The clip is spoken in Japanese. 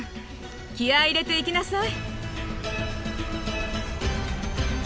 気合い入れていきなさい！